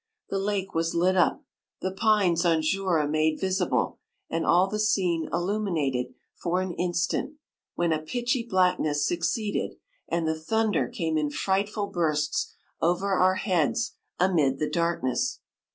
The lake was lit up — the pines on Jura made visible, and all the scene illuminated for an in stant, when a pitchy blackness suc ceeded, and the thunder came in fright ful bursts over our heads amid the darkness.